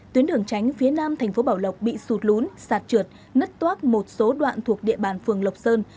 tuyến đường tránh phía nam thành phố bảo lộc bị sụt lún sạt trượt nất toác một số đoạn thuộc địa bàn phường lộc sơn